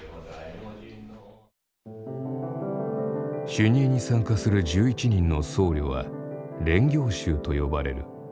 修二会に参加する１１人の僧侶は練行衆と呼ばれる。